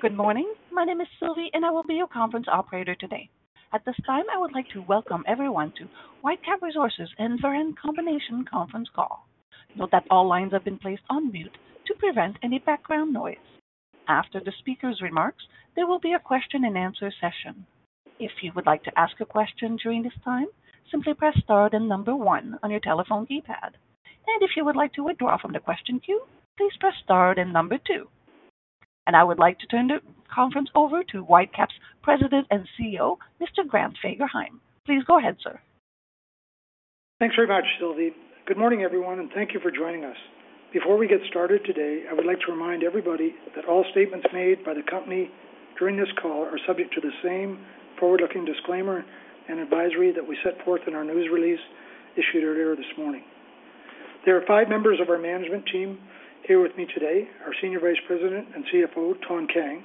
Good morning. My name is Sylvie, and I will be your conference operator today. At this time, I would like to welcome everyone to Whitecap Resources and Veren Combination Conference Call. Note that all lines have been placed on mute to prevent any background noise. After the speaker's remarks, there will be a question-and-answer session. If you would like to ask a question during this time, simply press star and number one on your telephone keypad. If you would like to withdraw from the question queue, please press star and number two. I would like to turn the conference over to Whitecap's President and CEO, Mr. Grant Fagerheim. Please go ahead, sir. Thanks very much, Sylvie. Good morning, everyone, and thank you for joining us. Before we get started today, I would like to remind everybody that all statements made by the company during this call are subject to the same forward-looking disclaimer and advisory that we set forth in our news release issued earlier this morning. There are five members of our management team here with me today: our Senior Vice President and CFO, Thanh Kang;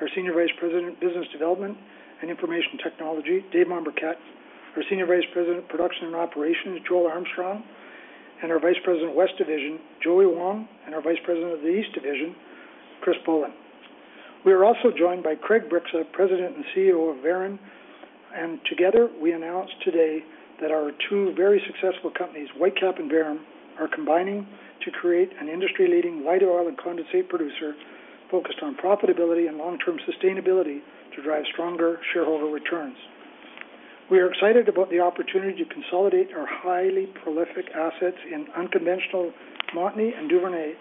our Senior Vice President, Business Development and Information Technology, Dave Mombourquette; our Senior Vice President, Production and Operations, Joel Armstrong; our Vice President, West Division, Joey Wong; and our Vice President, East Division, Chris Bolen. We are also joined by Craig Bryksa, President and CEO of Veren. Together, we announce today that our two very successful companies, Whitecap and Veren, are combining to create an industry-leading light oil and condensate producer focused on profitability and long-term sustainability to drive stronger shareholder returns. We are excited about the opportunity to consolidate our highly prolific assets in unconventional Montney and Duvernay,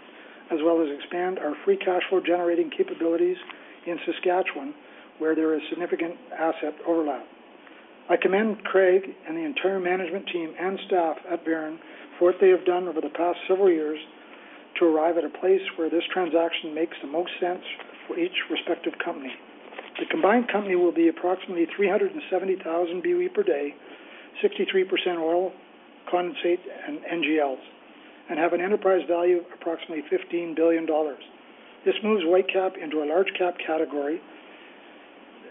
as well as expand our free cash flow generating capabilities in Saskatchewan, where there is significant asset overlap. I commend Craig and the entire management team and staff at Veren for what they have done over the past several years to arrive at a place where this transaction makes the most sense for each respective company. The combined company will be approximately 370,000 BOE per day, 63% oil, condensate, and NGLs, and have an enterprise value of approximately 15 billion dollars. This moves Whitecap into a large-cap category,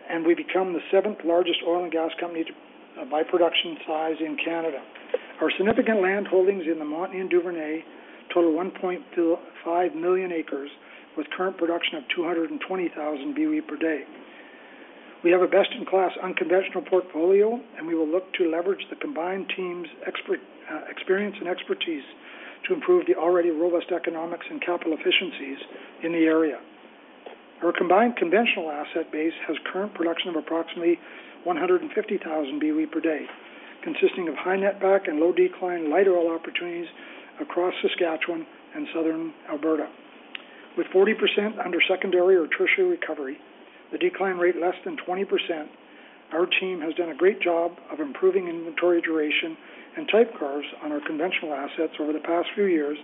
and we become the seventh largest oil and gas company by production size in Canada. Our significant land holdings in the Montney and Duvernay total 1.5 million acres, with current production of 220,000 BOE per day. We have a best-in-class unconventional portfolio, and we will look to leverage the combined team's experience and expertise to improve the already robust economics and capital efficiencies in the area. Our combined conventional asset base has current production of approximately 150,000 BOE per day, consisting of high-netback and low-decline light oil opportunities across Saskatchewan and southern Alberta. With 40% under secondary or tertiary recovery, the decline rate less than 20%, our team has done a great job of improving inventory duration and type curves on our conventional assets over the past few years,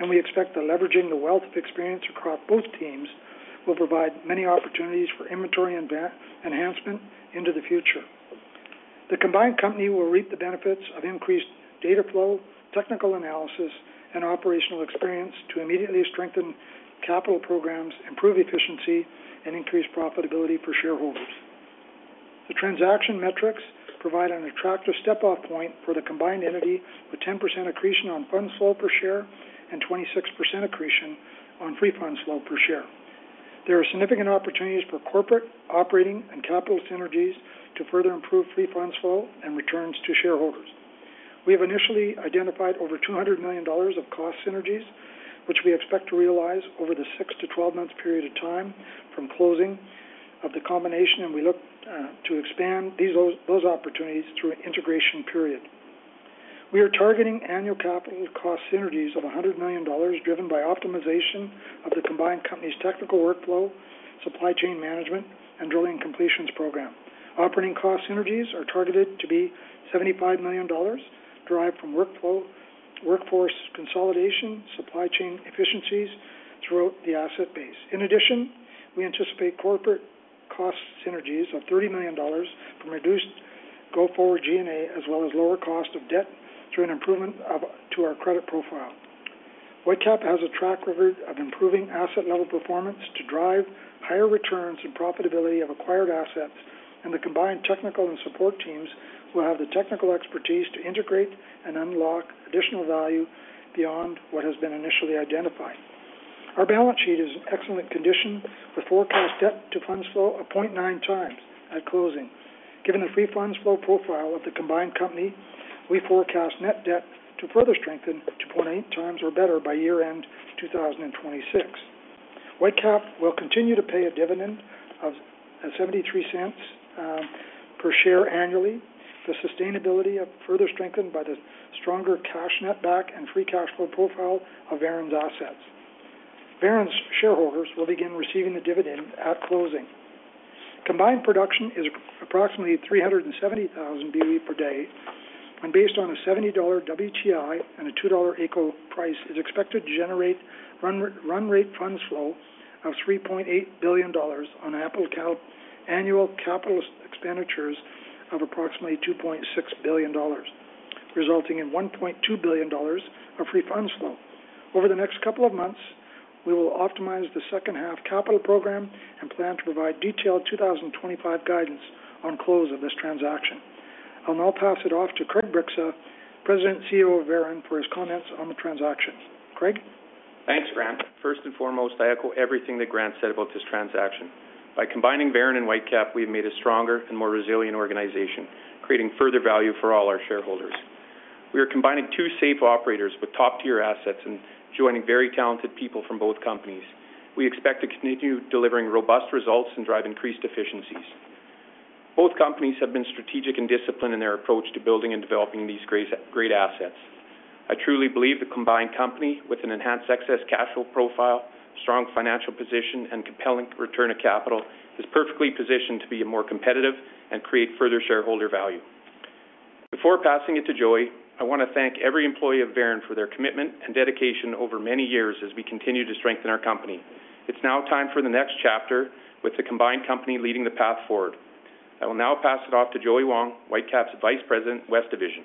and we expect that leveraging the wealth of experience across both teams will provide many opportunities for inventory enhancement into the future. The combined company will reap the benefits of increased data flow, technical analysis, and operational experience to immediately strengthen capital programs, improve efficiency, and increase profitability for shareholders. The transaction metrics provide an attractive step-off point for the combined entity with 10% accretion on funds flow per share and 26% accretion on free funds flow per share. There are significant opportunities for corporate operating and capital synergies to further improve free funds flow and returns to shareholders. We have initially identified over 200 million dollars of cost synergies, which we expect to realize over the 6 months-12 months period of time from closing of the combination, and we look to expand those opportunities through an integration period. We are targeting annual capital cost synergies of 100 million dollars driven by optimization of the combined company's technical workflow, supply chain management, and drilling completions program. Operating cost synergies are targeted to be 75 million dollars derived from workforce consolidation, supply chain efficiencies throughout the asset base. In addition, we anticipate corporate cost synergies of 30 million dollars from reduced go-forward G&A as well as lower cost of debt through an improvement to our credit profile. Whitecap has a track record of improving asset-level performance to drive higher returns and profitability of acquired assets, and the combined technical and support teams will have the technical expertise to integrate and unlock additional value beyond what has been initially identified. Our balance sheet is in excellent condition with forecast debt to funds flow of 0.9x at closing. Given the free funds flow profile of the combined company, we forecast net debt to further strengthen to 0.8x or better by year-end 2026. Whitecap will continue to pay a 0.73 per share annually. The sustainability is further strengthened by the stronger cash netback and free cash flow profile of Veren's assets. Veren's shareholders will begin receiving the dividend at closing. Combined production is approximately 370,000 BOE per day, and based on a 70 dollar WTI and a 2 dollar AECO price, is expected to generate run-rate funds flow of 3.8 billion dollars on annual capital expenditures of approximately 2.6 billion dollars, resulting in 1.2 billion dollars of free funds flow. Over the next couple of months, we will optimize the second-half capital program and plan to provide detailed 2025 guidance on close of this transaction. I'll now pass it off to Craig Bryksa, President and CEO of Veren, for his comments on the transaction. Craig? Thanks, Grant. First and foremost, I echo everything that Grant said about this transaction. By combining Veren and Whitecap, we have made a stronger and more resilient organization, creating further value for all our shareholders. We are combining two safe operators with top-tier assets and joining very talented people from both companies. We expect to continue delivering robust results and drive increased efficiencies. Both companies have been strategic and disciplined in their approach to building and developing these great assets. I truly believe the combined company, with an enhanced excess cash flow profile, strong financial position, and compelling return of capital, is perfectly positioned to be more competitive and create further shareholder value. Before passing it to Joey, I want to thank every employee of Veren for their commitment and dedication over many years as we continue to strengthen our company. It's now time for the next chapter, with the combined company leading the path forward. I will now pass it off to Joey Wong, Whitecap's Vice President, West Division.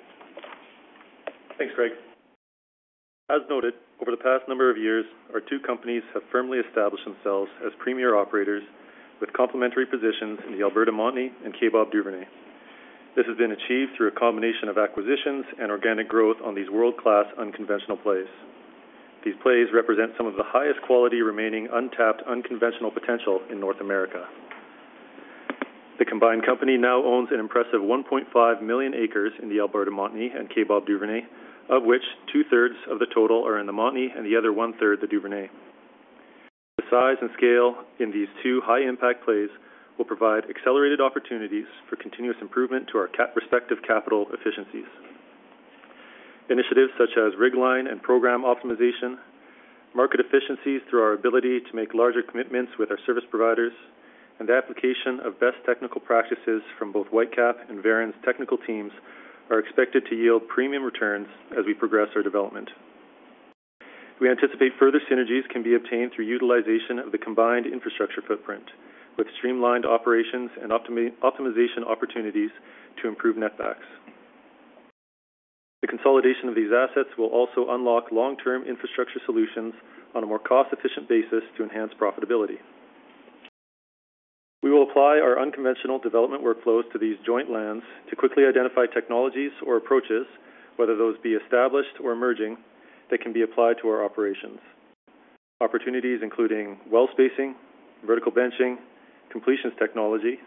Thanks, Craig. As noted, over the past number of years, our two companies have firmly established themselves as premier operators with complementary positions in the Alberta Montney and Kaybob Duvernay. This has been achieved through a combination of acquisitions and organic growth on these world-class unconventional plays. These plays represent some of the highest quality remaining untapped unconventional potential in North America. The combined company now owns an impressive 1.5 million acres in the Alberta Montney and Kaybob Duvernay, of which two-thirds of the total are in the Montney and the other one-third the Duvernay. The size and scale in these two high-impact plays will provide accelerated opportunities for continuous improvement to our respective capital efficiencies. Initiatives such as rig line and program optimization, market efficiencies through our ability to make larger commitments with our service providers, and the application of best technical practices from both Whitecap and Veren's technical teams are expected to yield premium returns as we progress our development. We anticipate further synergies can be obtained through utilization of the combined infrastructure footprint, with streamlined operations and optimization opportunities to improve netbacks. The consolidation of these assets will also unlock long-term infrastructure solutions on a more cost-efficient basis to enhance profitability. We will apply our unconventional development workflows to these joint lands to quickly identify technologies or approaches, whether those be established or emerging, that can be applied to our operations. Opportunities including well spacing, vertical benching, completions technology,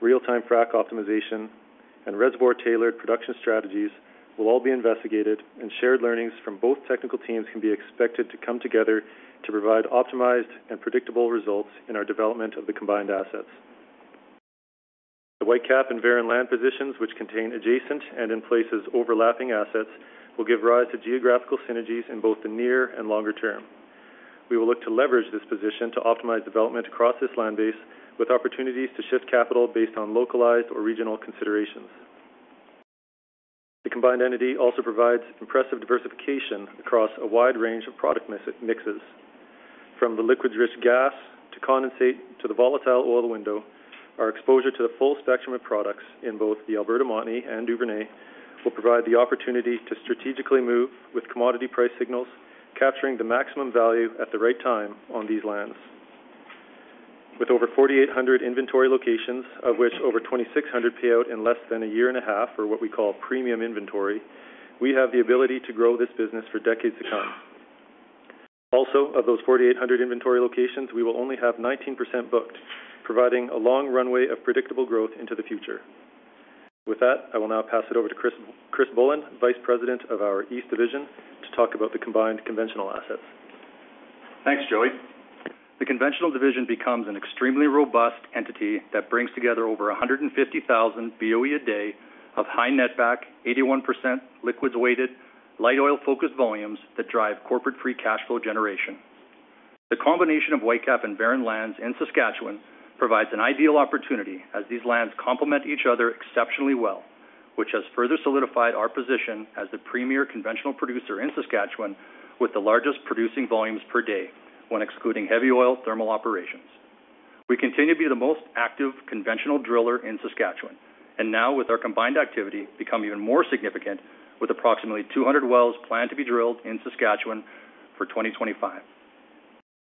real-time frac optimization, and reservoir-tailored production strategies will all be investigated, and shared learnings from both technical teams can be expected to come together to provide optimized and predictable results in our development of the combined assets. The Whitecap and Veren land positions, which contain adjacent and in places overlapping assets, will give rise to geographical synergies in both the near and longer term. We will look to leverage this position to optimize development across this land base with opportunities to shift capital based on localized or regional considerations. The combined entity also provides impressive diversification across a wide range of product mixes. From the liquid-rich gas to condensate to the volatile oil window, our exposure to the full spectrum of products in both the Alberta Montney and Duvernay will provide the opportunity to strategically move with commodity price signals, capturing the maximum value at the right time on these lands. With over 4,800 inventory locations, of which over 2,600 pay out in less than a year and a half for what we call premium inventory, we have the ability to grow this business for decades to come. Also, of those 4,800 inventory locations, we will only have 19% booked, providing a long runway of predictable growth into the future. With that, I will now pass it over to Chris Bolen, Vice President of our East Division, to talk about the combined conventional assets. Thanks, Joey. The conventional division becomes an extremely robust entity that brings together over 150,000 BOE a day of high netback, 81% liquids-weighted, light oil-focused volumes that drive corporate free cash flow generation. The combination of Whitecap and Veren lands in Saskatchewan provides an ideal opportunity as these lands complement each other exceptionally well, which has further solidified our position as the premier conventional producer in Saskatchewan with the largest producing volumes per day when excluding heavy oil thermal operations. We continue to be the most active conventional driller in Saskatchewan, and now with our combined activity become even more significant with approximately 200 wells planned to be drilled in Saskatchewan for 2025.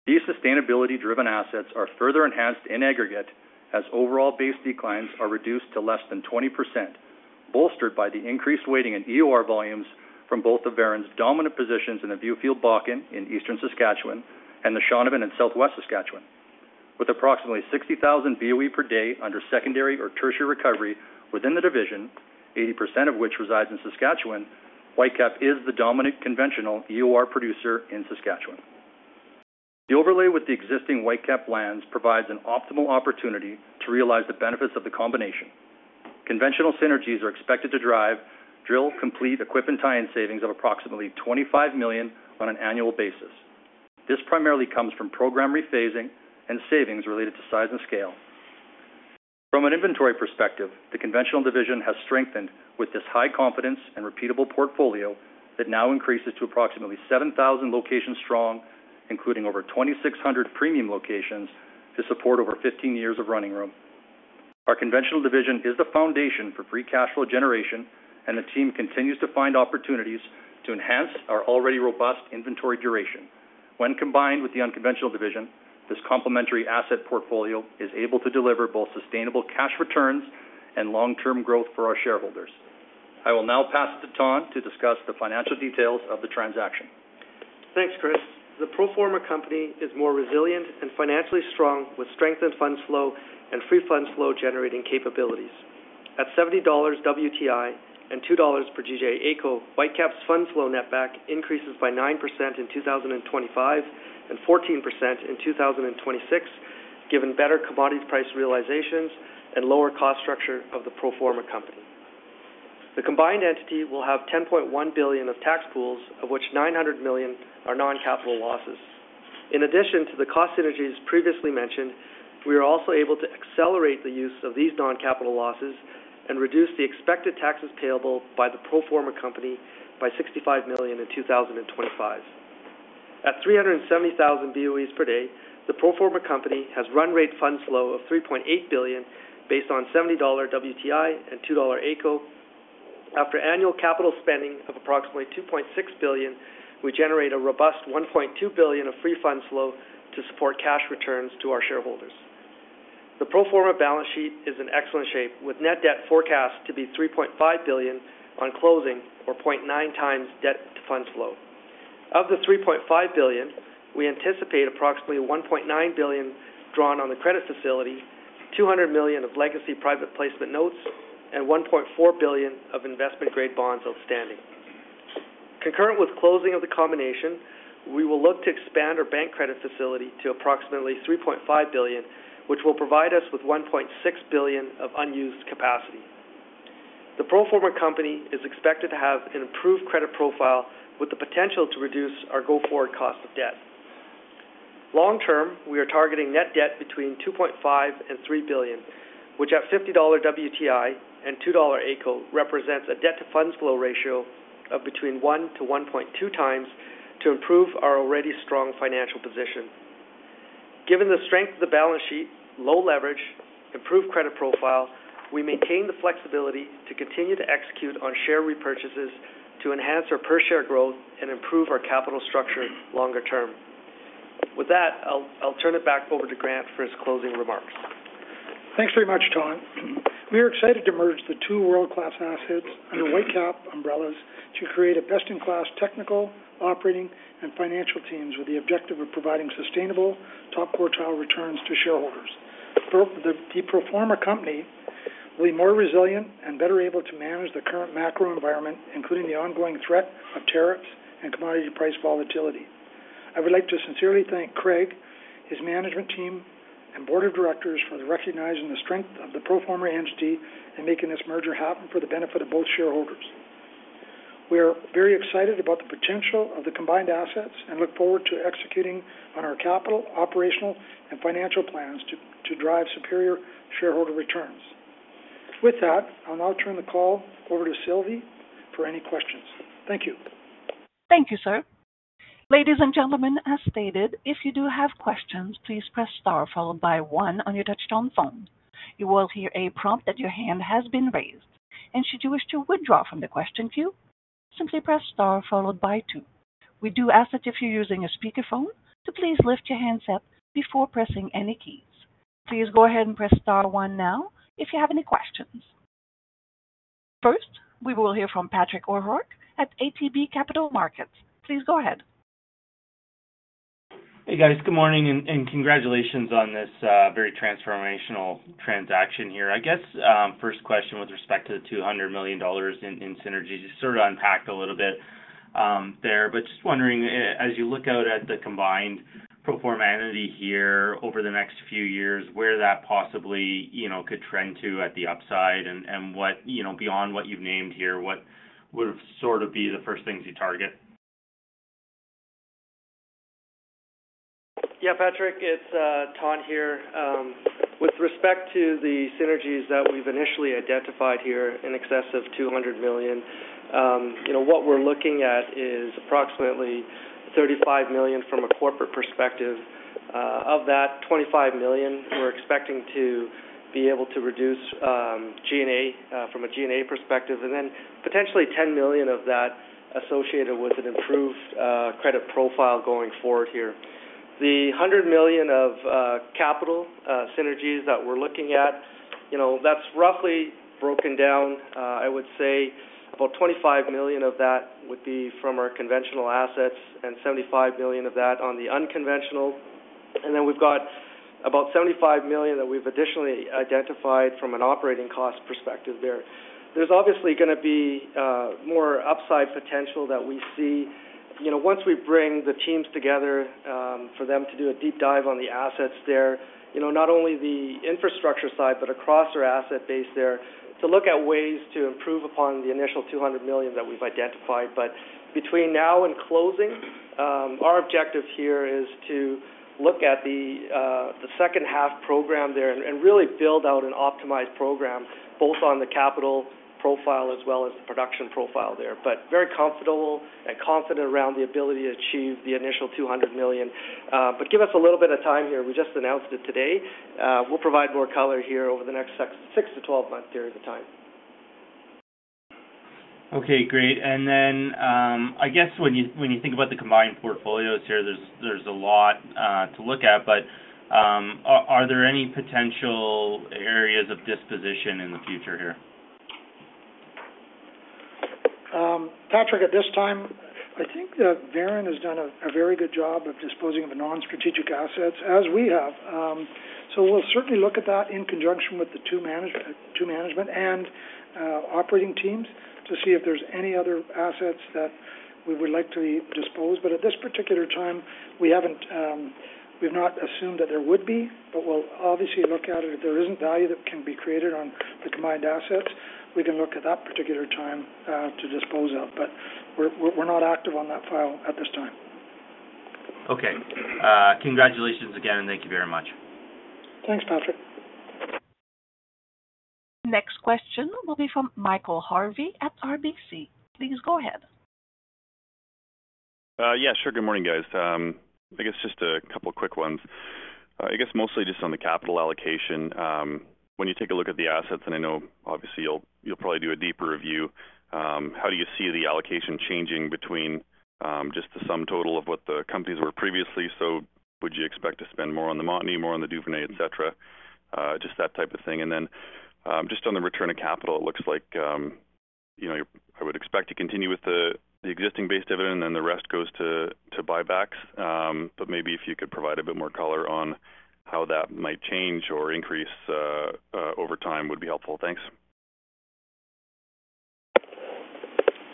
These sustainability-driven assets are further enhanced in aggregate as overall base declines are reduced to less than 20%, bolstered by the increased weighting in EOR volumes from both of Veren's dominant positions in the Viewfield Bakken in eastern Saskatchewan and the Shaunavon in southwest Saskatchewan. With approximately 60,000 BOE per day under secondary or tertiary recovery within the division, 80% of which resides in Saskatchewan, Whitecap is the dominant conventional EOR producer in Saskatchewan. The overlay with the existing Whitecap lands provides an optimal opportunity to realize the benefits of the combination. Conventional synergies are expected to drive drill, complete, equip, and tie-in savings of approximately 25 million on an annual basis. This primarily comes from program rephasing and savings related to size and scale. From an inventory perspective, the conventional division has strengthened with this high confidence and repeatable portfolio that now increases to approximately 7,000 locations strong, including over 2,600 premium locations to support over 15 years of running room. Our conventional division is the foundation for free cash flow generation, and the team continues to find opportunities to enhance our already robust inventory duration. When combined with the unconventional division, this complementary asset portfolio is able to deliver both sustainable cash returns and long-term growth for our shareholders. I will now pass it to Thanh to discuss the financial details of the transaction. Thanks, Chris. The pro forma company is more resilient and financially strong with strengthened funds flow and free funds flow generating capabilities. At 70 dollars WTI and 2 dollars per GJ AECO, Veren's funds flow netback increases by 9% in 2025 and 14% in 2026, given better commodity price realizations and lower cost structure of the pro forma company. The combined entity will have 10.1 billion of tax pools, of which 900 million are non-capital losses. In addition to the cost synergies previously mentioned, we are also able to accelerate the use of these non-capital losses and reduce the expected taxes payable by the pro forma company by 65 million in 2025. At 370,000 BOE per day, the pro forma company has run-rate funds flow of 3.8 billion based on 70 dollar WTI and 2 dollar AECO. After annual capital spending of approximately 2.6 billion, we generate a robust 1.2 billion of free funds flow to support cash returns to our shareholders. The pro forma balance sheet is in excellent shape, with net debt forecast to be 3.5 billion on closing or 0.9x debt to funds flow. Of the 3.5 billion, we anticipate approximately 1.9 billion drawn on the credit facility, 200 million of legacy private placement notes, and 1.4 billion of investment-grade bonds outstanding. Concurrent with closing of the combination, we will look to expand our bank credit facility to approximately 3.5 billion, which will provide us with 1.6 billion of unused capacity. The pro forma company is expected to have an improved credit profile with the potential to reduce our go-forward cost of debt. Long-term, we are targeting net debt between 2.5 billion and 3 billion, which at 50 dollar WTI and 2 dollar AECO represents a debt to funds flow ratio of between 1x-1.2x to improve our already strong financial position. Given the strength of the balance sheet, low leverage, improved credit profile, we maintain the flexibility to continue to execute on share repurchases to enhance our per-share growth and improve our capital structure longer term. With that, I'll turn it back over to Grant for his closing remarks. Thanks very much, Thanh. We are excited to merge the two world-class assets under Veren umbrellas to create a best-in-class technical, operating, and financial team with the objective of providing sustainable, top quartile returns to shareholders. The pro forma company will be more resilient and better able to manage the current macro environment, including the ongoing threat of tariffs and commodity price volatility. I would like to sincerely thank Craig, his management team, and board of directors for recognizing the strength of the pro forma entity and making this merger happen for the benefit of both shareholders. We are very excited about the potential of the combined assets and look forward to executing on our capital, operational, and financial plans to drive superior shareholder returns. With that, I'll now turn the call over to Sylvie for any questions. Thank you. Thank you, sir. Ladies and gentlemen, as stated, if you do have questions, please press star followed by one on your touch-tone phone. You will hear a prompt that your hand has been raised. Should you wish to withdraw from the question queue, simply press star followed by two. We do ask that if you are using a speakerphone, to please lift your handset before pressing any keys. Please go ahead and press star one now if you have any questions. First, we will hear from Patrick O'Rourke at ATB Capital Markets. Please go ahead. Hey, guys. Good morning and congratulations on this very transformational transaction here. I guess first question with respect to the 200 million dollars in synergies, you sort of unpacked a little bit there. Just wondering, as you look out at the combined pro forma entity here over the next few years, where that possibly could trend to at the upside and beyond what you've named here, what would sort of be the first things you target? Yeah, Patrick, it's Thanh here. With respect to the synergies that we've initially identified here in excess of 200 million, what we're looking at is approximately 35 million from a corporate perspective. Of that, 25 million, we're expecting to be able to reduce from a G&A perspective, and then potentially 10 million of that associated with an improved credit profile going forward here. The 100 million of capital synergies that we're looking at, that's roughly broken down, I would say about 25 million of that would be from our conventional assets and 75 million of that on the unconventional. We have about 75 million that we've additionally identified from an operating cost perspective there. There's obviously going to be more upside potential that we see. Once we bring the teams together for them to do a deep dive on the assets there, not only the infrastructure side but across our asset base there to look at ways to improve upon the initial 200 million that we've identified. Between now and closing, our objective here is to look at the second half program there and really build out an optimized program both on the capital profile as well as the production profile there. Very comfortable and confident around the ability to achieve the initial 200 million. Give us a little bit of time here. We just announced it today. We'll provide more color here over the next 6 month-12 month period of time. Okay, great. I guess when you think about the combined portfolios here, there's a lot to look at. Are there any potential areas of disposition in the future here? Patrick, at this time, I think that Veren has done a very good job of disposing of non-strategic assets as we have. We will certainly look at that in conjunction with the two management and operating teams to see if there are any other assets that we would like to dispose. At this particular time, we have not assumed that there would be, but we will obviously look at it. If there is value that can be created on the combined assets, we can look at that particular time to dispose of. We are not active on that file at this time. Okay. Congratulations again, and thank you very much. Thanks, Patrick. Next question will be from Michael Harvey at RBC. Please go ahead. Yeah, sure. Good morning, guys. I guess just a couple of quick ones. I guess mostly just on the capital allocation. When you take a look at the assets, and I know obviously you'll probably do a deeper review, how do you see the allocation changing between just the sum total of what the companies were previously? Would you expect to spend more on the Montney, more on the Duvernay, et cetera? Just that type of thing. Just on the return of capital, it looks like I would expect to continue with the existing base dividend, and then the rest goes to buybacks. Maybe if you could provide a bit more color on how that might change or increase over time would be helpful. Thanks.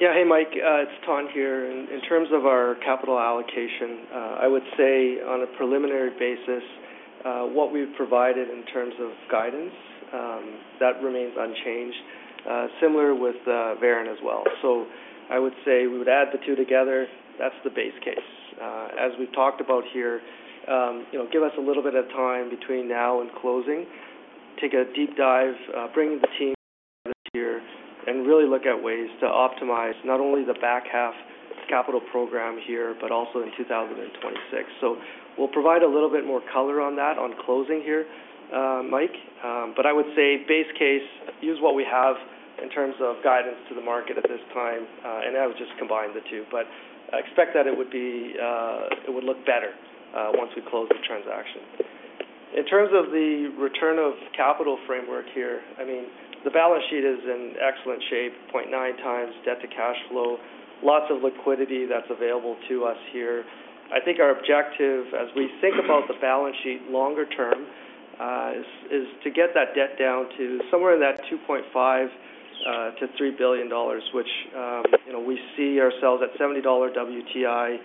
Yeah, hey, Micheal. It's Thanh here. In terms of our capital allocation, I would say on a preliminary basis, what we've provided in terms of guidance, that remains unchanged. Similar with Veren as well. I would say we would add the two together. That's the base case. As we've talked about here, give us a little bit of time between now and closing. Take a deep dive, bring the team here and really look at ways to optimize not only the back half capital program here, but also in 2026. We will provide a little bit more color on that on closing here, Michael. I would say base case, use what we have in terms of guidance to the market at this time. I would just combine the two. I expect that it would look better once we close the transaction. In terms of the return of capital framework here, I mean, the balance sheet is in excellent shape. 0.9 times debt to cash flow, lots of liquidity that's available to us here. I think our objective as we think about the balance sheet longer term is to get that debt down to somewhere in that 2.5 billion-3 billion dollars, which we see ourselves at 70 dollar WTI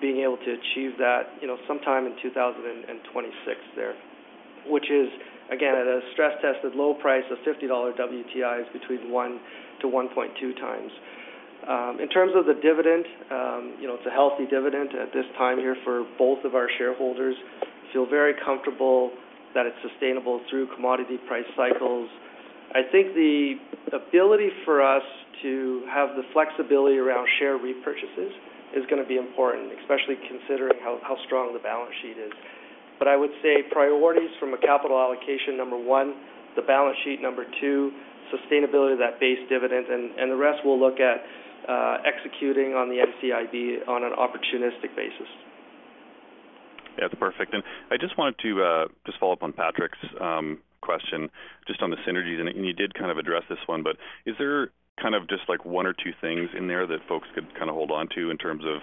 being able to achieve that sometime in 2026 there, which is, again, at a stress-tested low price of 50 dollar WTI, is between 1x-1.2x. In terms of the dividend, it's a healthy dividend at this time here for both of our shareholders. Feel very comfortable that it's sustainable through commodity price cycles. I think the ability for us to have the flexibility around share repurchases is going to be important, especially considering how strong the balance sheet is. I would say priorities from a capital allocation, number one, the balance sheet, number two, sustainability of that base dividend. The rest we'll look at executing on the NCIB on an opportunistic basis. Yeah, that's perfect. I just wanted to follow up on Patrick's question just on the synergies. You did kind of address this one, but is there kind of just like one or two things in there that folks could kind of hold on to in terms of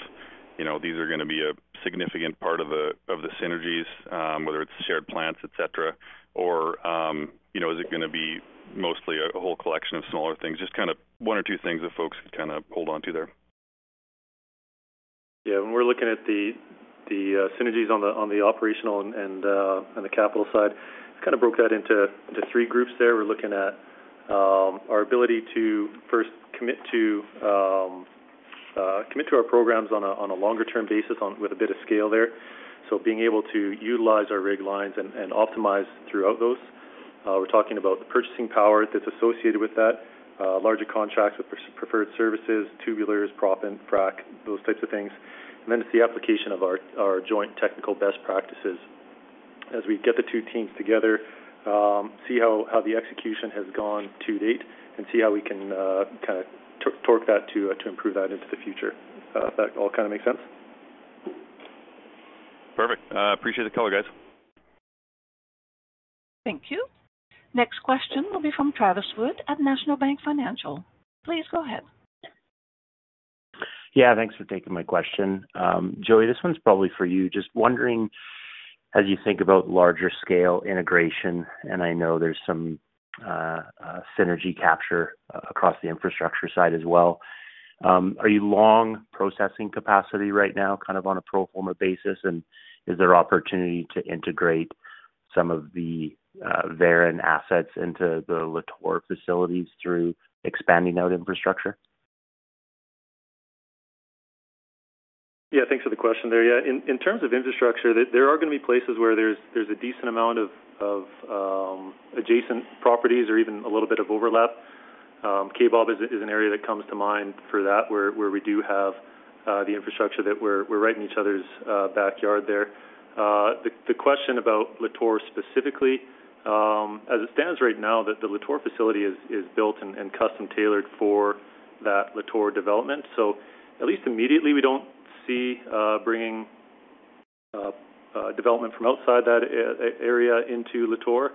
these are going to be a significant part of the synergies, whether it's shared plants, et cetera, or is it going to be mostly a whole collection of smaller things? Just kind of one or two things that folks could kind of hold on to there. Yeah. When we're looking at the synergies on the operational and the capital side, I kind of broke that into three groups there. We're looking at our ability to first commit to our programs on a longer-term basis with a bit of scale there. Being able to utilize our rig lines and optimize throughout those. We're talking about the purchasing power that's associated with that, larger contracts with preferred services, tubulars, prop and frac, those types of things. Then it's the application of our joint technical best practices. As we get the two teams together, see how the execution has gone to date and see how we can kind of torque that to improve that into the future. That all kind of makes sense? Perfect. Appreciate the color, guys. Thank you. Next question will be from Travis Wood at National Bank Financial. Please go ahead. Yeah, thanks for taking my question. Joey, this one's probably for you. Just wondering, as you think about larger scale integration, and I know there's some synergy capture across the infrastructure side as well, are you long processing capacity right now kind of on a pro forma basis? Is there opportunity to integrate some of the Veren assets into the Lator facilities through expanding out infrastructure? Yeah, thanks for the question there. Yeah. In terms of infrastructure, there are going to be places where there's a decent amount of adjacent properties or even a little bit of overlap. Kaybob Duvernay is an area that comes to mind for that where we do have the infrastructure that we're right in each other's backyard there. The question about Lator specifically, as it stands right now, the Lator facility is built and custom tailored for that Lator development. At least immediately, we don't see bringing development from outside that area into Lator.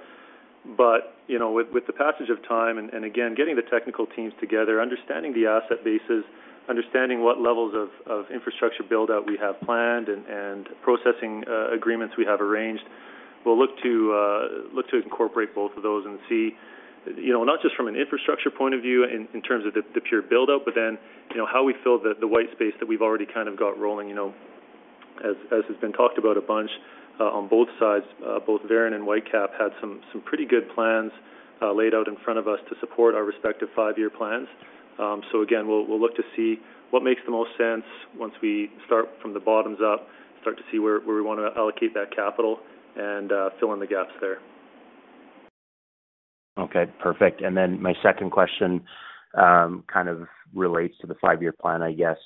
With the passage of time and again, getting the technical teams together, understanding the asset bases, understanding what levels of infrastructure buildout we have planned and processing agreements we have arranged, we will look to incorporate both of those and see not just from an infrastructure point of view in terms of the pure buildout, but then how we fill the white space that we have already kind of got rolling. As has been talked about a bunch on both sides, both Veren and Whitecap had some pretty good plans laid out in front of us to support our respective five-year plans. Again, we will look to see what makes the most sense once we start from the bottoms up, start to see where we want to allocate that capital and fill in the gaps there. Okay, perfect. My second question kind of relates to the five-year plan, I guess.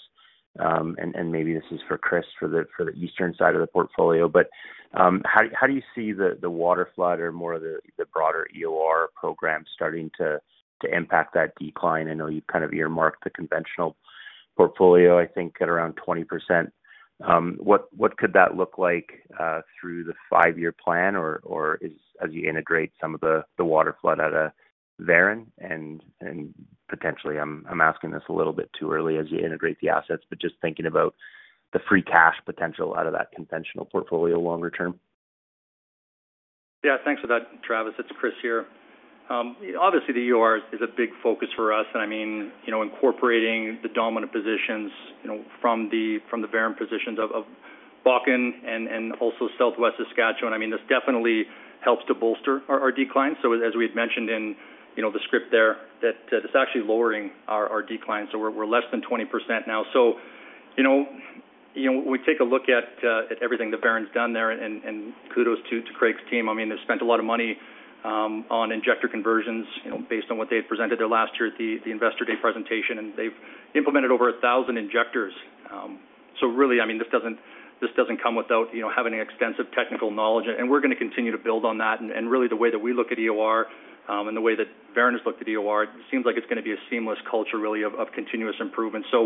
Maybe this is for Chris for the eastern side of the portfolio. How do you see the water flood or more of the broader EOR program starting to impact that decline? I know you've kind of earmarked the conventional portfolio, I think, at around 20%. What could that look like through the five-year plan? As you integrate some of the water flood out of Veren and potentially I'm asking this a little bit too early as you integrate the assets, just thinking about the free cash potential out of that conventional portfolio longer term? Yeah, thanks for that, Travis. It's Chris here. Obviously, the EOR is a big focus for us. I mean, incorporating the dominant positions from the Veren positions of Bakken and also Southwest Saskatchewan, I mean, this definitely helps to bolster our decline. As we had mentioned in the script there, it's actually lowering our decline. We're less than 20% now. When we take a look at everything that Veren's done there and kudos to Craig's team, they've spent a lot of money on injector conversions based on what they had presented there last year at the Investor Day presentation. They've implemented over 1,000 injectors. Really, I mean, this doesn't come without having extensive technical knowledge. We're going to continue to build on that. Really, the way that we look at EOR and the way that Veren has looked at EOR, it seems like it's going to be a seamless culture really of continuous improvement. We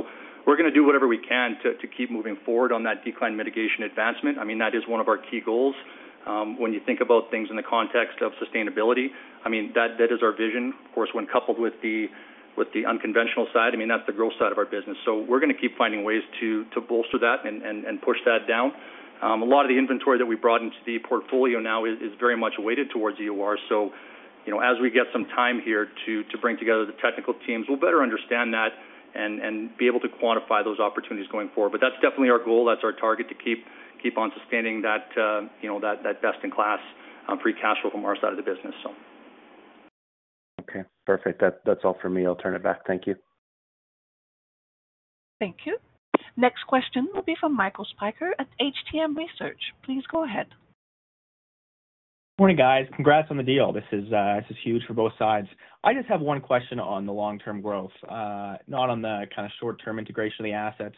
are going to do whatever we can to keep moving forward on that decline mitigation advancement. I mean, that is one of our key goals. When you think about things in the context of sustainability, I mean, that is our vision. Of course, when coupled with the unconventional side, I mean, that's the growth side of our business. We are going to keep finding ways to bolster that and push that down. A lot of the inventory that we brought into the portfolio now is very much weighted towards EOR. As we get some time here to bring together the technical teams, we will better understand that and be able to quantify those opportunities going forward. That's definitely our goal. That's our target to keep on sustaining that best-in-class free cash flow from our side of the business. Okay, perfect. That's all for me. I'll turn it back. Thank you. Thank you. Next question will be from Michael Spiker at HTM Research. Please go ahead. Morning, guys. Congrats on the deal. This is huge for both sides. I just have one question on the long-term growth, not on the kind of short-term integration of the assets.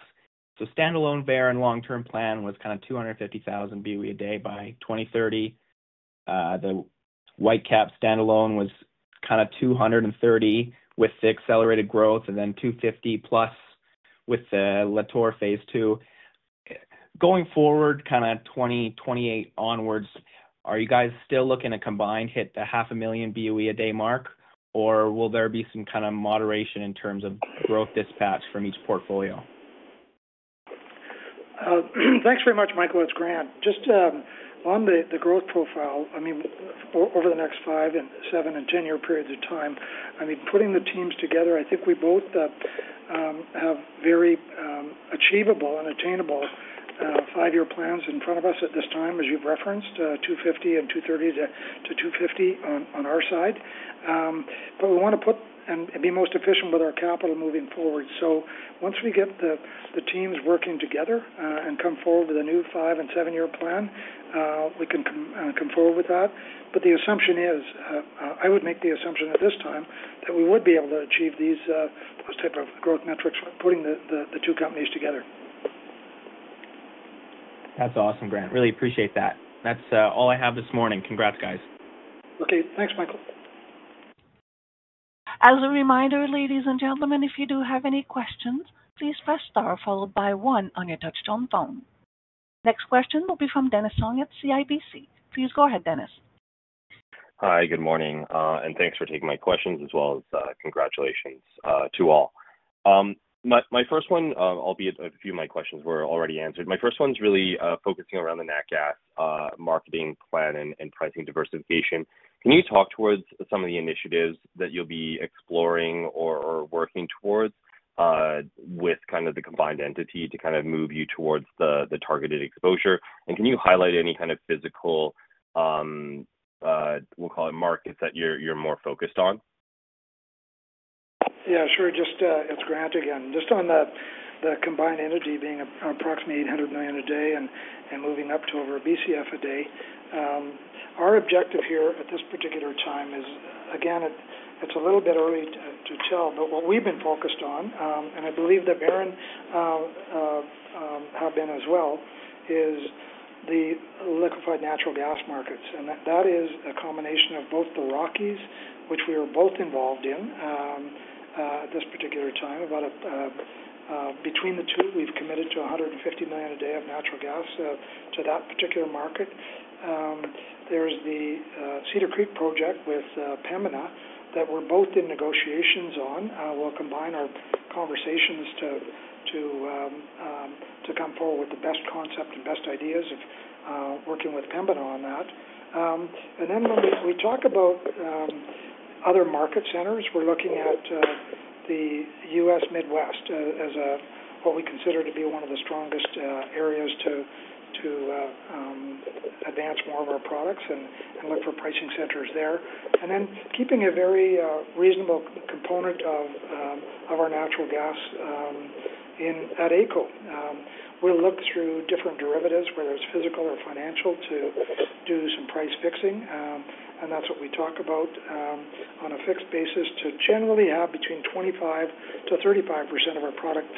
Standalone Veren long-term plan was kind of 250,000 BOE a day by 2030. The Whitecap standalone was kind of 230 with the accelerated growth and then 250 plus with the Lator phase II. Going forward kind of 2028 onwards, are you guys still looking to combine hit the half a million BOE a day mark, or will there be some kind of moderation in terms of growth dispatch from each portfolio? Thanks very much, Michael. It's Grant. Just on the growth profile, I mean, over the next five and seven and ten-year periods of time, I mean, putting the teams together, I think we both have very achievable and attainable five-year plans in front of us at this time, as you've referenced, 250 and 230-250 on our side. We want to put and be most efficient with our capital moving forward. Once we get the teams working together and come forward with a new five and seven-year plan, we can come forward with that. The assumption is, I would make the assumption at this time that we would be able to achieve those types of growth metrics putting the two companies together. That's awesome, Grant. Really appreciate that. That's all I have this morning. Congrats, guys. Okay, thanks, Michael. As a reminder, ladies and gentlemen, if you do have any questions, please press star followed by one on your touch-tone phone. Next question will be from Dennis Fong at CIBC. Please go ahead, Dennis. Hi, good morning. Thanks for taking my questions as well as congratulations to all. My first one, albeit a few of my questions were already answered. My first one's really focusing around the NatGas marketing plan and pricing diversification. Can you talk towards some of the initiatives that you'll be exploring or working towards with kind of the combined entity to kind of move you towards the targeted exposure? Can you highlight any kind of physical, we'll call it markets that you're more focused on? Yeah, sure. It's Grant again. Just on the combined entity being approximately 800 million a day and moving up to over a BCF a day. Our objective here at this particular time is, again, it's a little bit early to tell, but what we've been focused on, and I believe that Veren have been as well, is the liquefied natural gas markets. That is a combination of both the Rockies, which we are both involved in at this particular time. Between the two, we've committed to 150 million a day of natural gas to that particular market. There is the Cedar Creek project with Pembina that we're both in negotiations on. We'll combine our conversations to come forward with the best concept and best ideas of working with Pembina on that. When we talk about other market centers, we're looking at the US Midwest as what we consider to be one of the strongest areas to advance more of our products and look for pricing centers there. Keeping a very reasonable component of our natural gas at AECO, we'll look through different derivatives, whether it's physical or financial, to do some price fixing. That's what we talk about on a fixed basis to generally have between 25%-35% of our product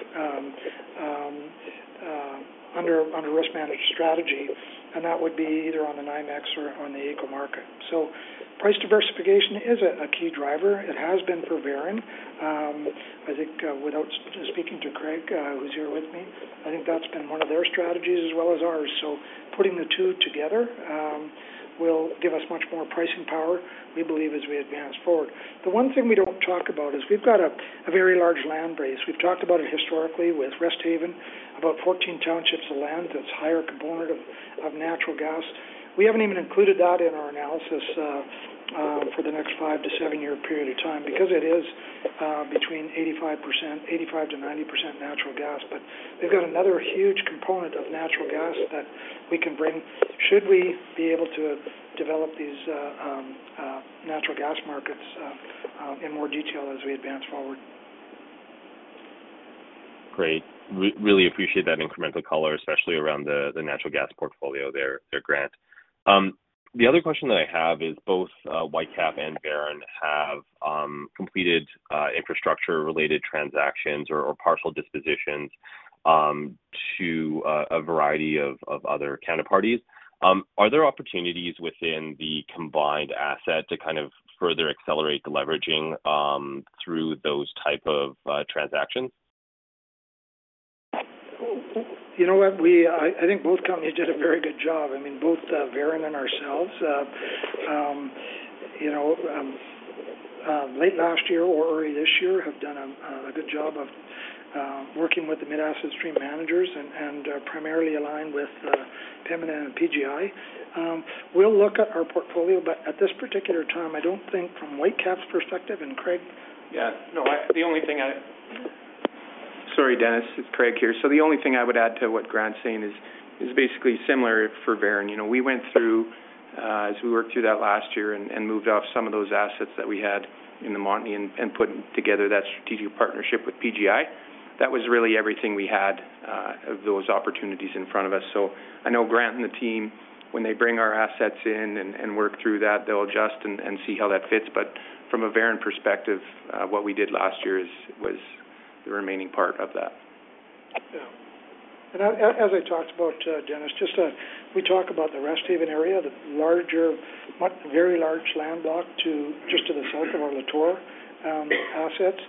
under risk management strategy. That would be either on the NYMEX or on the AECO market. Price diversification is a key driver. It has been for Veren. I think without speaking to Craig, who's here with me, I think that's been one of their strategies as well as ours. Putting the two together will give us much more pricing power, we believe, as we advance forward. The one thing we do not talk about is we have got a very large land base. We have talked about it historically with Resthaven, about 14 townships of land that is a higher component of natural gas. We have not even included that in our analysis for the next five-to seven-year period of time because it is between 85%-90% natural gas. We have got another huge component of natural gas that we can bring should we be able to develop these natural gas markets in more detail as we advance forward. Great. Really appreciate that incremental color, especially around the natural gas portfolio there, Grant. The other question that I have is both Whitecap and Veren have completed infrastructure-related transactions or partial dispositions to a variety of other counterparty. Are there opportunities within the combined asset to kind of further accelerate the leveraging through those type of transactions? You know what? I think both companies did a very good job. I mean, both Veren and ourselves, late last year or early this year, have done a good job of working with the mid-asset stream managers and primarily aligned with Pembina and PGI. We'll look at our portfolio, but at this particular time, I don't think from Whitecap's perspective and Craig. Yeah. No, the only thing I—sorry, Dennis, it's Craig here. The only thing I would add to what Grant's saying is basically similar for Veren. We went through, as we worked through that last year and moved off some of those assets that we had in the Montney and put together that strategic partnership with PGI. That was really everything we had of those opportunities in front of us. I know Grant and the team, when they bring our assets in and work through that, they'll adjust and see how that fits. From a Veren perspective, what we did last year was the remaining part of that. Yeah. As I talked about, Dennis, we talk about the Resthaven area, the very large land block just to the south of our Lator assets.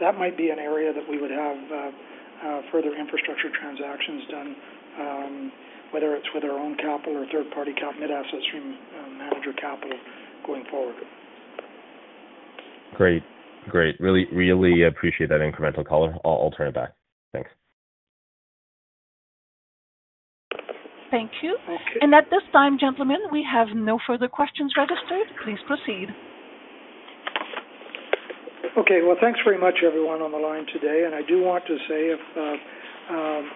That might be an area that we would have further infrastructure transactions done, whether it is with our own capital or third-party mid-asset stream manager capital going forward. Great. Great. Really appreciate that incremental color. I'll turn it back. Thanks. Thank you. At this time, gentlemen, we have no further questions registered. Please proceed. Okay. Thanks very much, everyone on the line today. I do want to say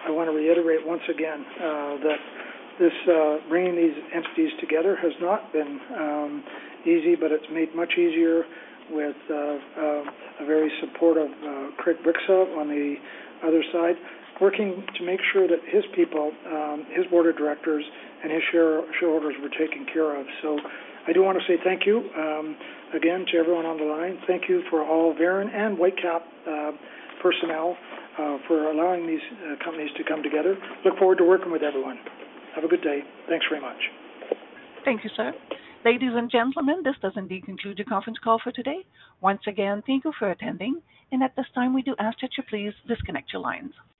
I want to reiterate once again that bringing these entities together has not been easy, but it is made much easier with a very supportive Ryan Gritzfeldt on the other side working to make sure that his people, his board of directors, and his shareholders were taken care of. I do want to say thank you again to everyone on the line. Thank you for all Veren and Whitecap personnel for allowing these companies to come together. Look forward to working with everyone. Have a good day. Thanks very much. Thank you, sir. Ladies and gentlemen, this does indeed conclude your conference call for today. Once again, thank you for attending. At this time, we do ask that you please disconnect your lines.